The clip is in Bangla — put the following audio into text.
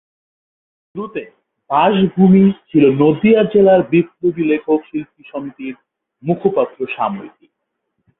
শুরুতে 'বাসভূমি' ছিল "নদীয়া জেলার বিপ্লবী লেখক শিল্পী সমিতি"-র মুখপাত্র সাময়িকী।